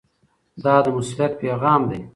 دا د مسؤلیت پیغام دی.